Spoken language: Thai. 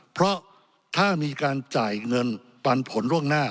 เพราะถ้ามีการจ่ายเงินปันผลล่วงหน้า